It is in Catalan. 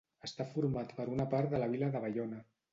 Està format per una part de la vila de Baiona.